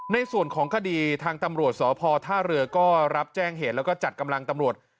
ในส่วนของคดีทางตำรวจสพท่าเรือก็รับแจ้งเหตุแล้วก็จัดกำลังตำรวจ